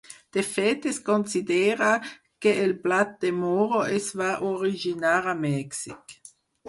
De fet, es considera que el blat de moro es va originar a Mèxic.